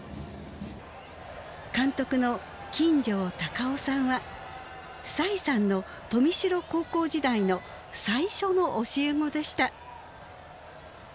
監督の金城孝夫さんは栽さんの豊見城高校時代の最初の教え子でした。